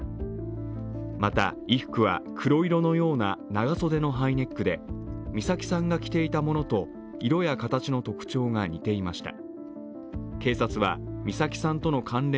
また、衣服は黒色のような長袖のハイネックで美咲さんが着ていたものと色や形の特徴が似ていました。